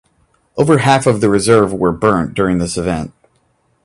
Over half of the reserve were burnt during this event.